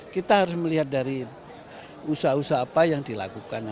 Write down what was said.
kita harus melihat dari usaha usaha apa yang dilakukannya